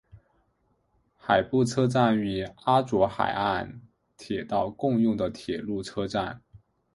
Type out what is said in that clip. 海部车站与阿佐海岸铁道共用的铁路车站。